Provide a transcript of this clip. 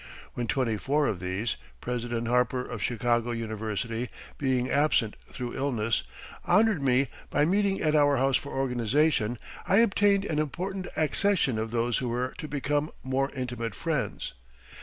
When twenty four of these President Harper, of Chicago University, being absent through illness honored me by meeting at our house for organization, I obtained an important accession of those who were to become more intimate friends.